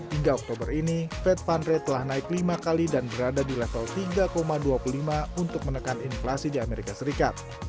hingga oktober ini fed fund rate telah naik lima kali dan berada di level tiga dua puluh lima untuk menekan inflasi di amerika serikat